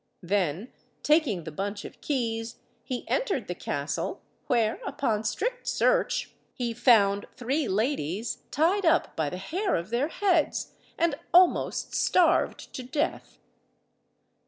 Then, taking the bunch of keys, he entered the castle, where, upon strict search, he found three ladies tied up by the hair of their heads, and almost starved to death.